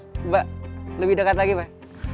coba lebih dekat lagi pak